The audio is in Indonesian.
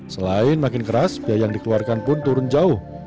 selain makin keras biaya yang dikeluarkan pun turun jauh